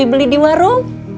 ibu beli di warung